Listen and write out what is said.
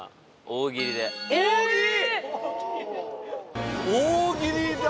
大喜利だ。